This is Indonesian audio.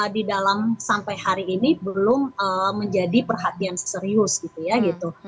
di dalam sampai hari ini belum menjadi perhatian serius gitu ya gitu